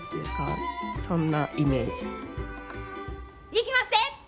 いきまっせ！